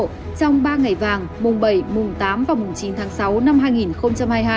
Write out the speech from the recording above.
trong ba ngày vàng mùng bảy mùng tám và mùng chín tháng sáu năm hai nghìn hai mươi hai